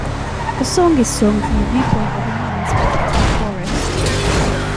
The song is sung from the viewpoint of a man speaking to a florist.